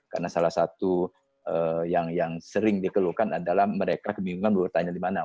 karena salah satu yang sering dikeluhkan adalah mereka kebingungan bertanya di mana